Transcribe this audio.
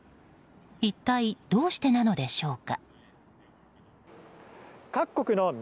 一体どうしてなのでしょうか。